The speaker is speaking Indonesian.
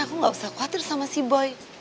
aku nggak usah khawatir sama si boy